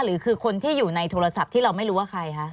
หรือคือคนที่อยู่ในโทรศัพท์ที่เราไม่รู้ว่าใครคะ